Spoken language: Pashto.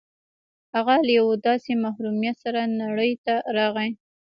هغه له يوه داسې محروميت سره نړۍ ته راغی.